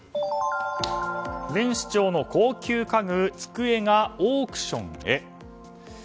前市長の高級家具、机がオークションへ。